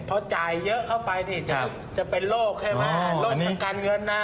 พอจ่ายเยอะเข้าไปนี่จะเป็นโรคใช่ไหมโรคทางการเงินนะ